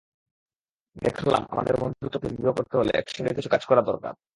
দেখলাম, আমাদের বন্ধুত্বকে দৃঢ় করতে হলে একসঙ্গে কিছু কাজ করা দরকার।